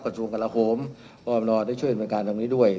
กระทรวงการละโคมออบนได้ช่วยเป็นการตรงนี้ด้วย